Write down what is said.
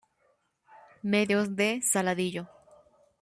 Medios de Saladillo